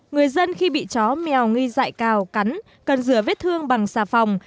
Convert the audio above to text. người dân khi bị chó mèo nghi dại cào cắn cần rửa vết thương bằng xà phòng